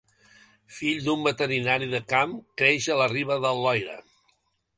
Fill d'un veterinari de camp, creix a la riba del Loira.